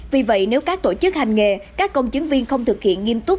vì vậy nếu các tổ chức hành nghề các công chứng viên không thực hiện nghiêm túc